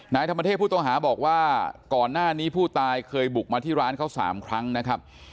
ธรรมเทพผู้ต้องหาบอกว่าก่อนหน้านี้ผู้ตายเคยบุกมาที่ร้านเขา๓ครั้งนะครับ